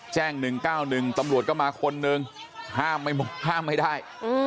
แจ้งหนึ่งก้าวหนึ่งตำรวจก็มาคนหนึ่งห้ามไม่ได้